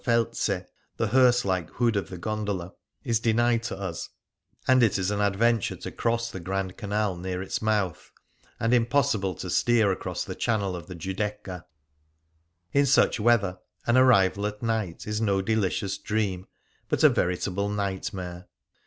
fel%e — the hearse like hood of the gondola — is denied to us, and it is an adventure to cross the Grand Canal near its mouth, and impossible to steer across the channel of the Giudecca. In such weather an arrival at night is no delicious dream, but a veritable night mare.